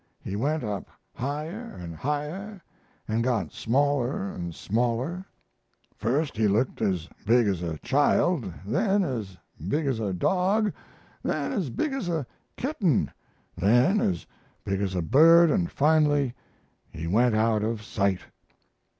He went up higher and higher and got smaller and smaller. First he looked as big as a child, then as big as a dog, then as big as a kitten, then as big as a bird, and finally he went out of sight.